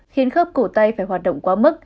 khiến khớp cổ tay phải hoạt động quá mức